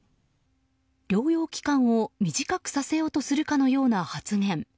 療養期間を短くさせようとするかのような発言。